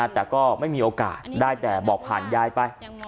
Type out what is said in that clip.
แต่ก็ไม่มีโอกาสได้แต่บอกผ่านยายไป